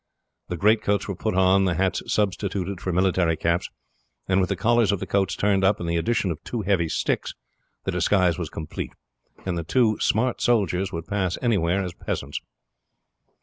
The greatcoats were put on, the hats substituted for military caps, and with the collars of the coats turned up and the addition of two heavy sticks, the disguise was complete, and the two smart soldiers would pass anywhere as peasants.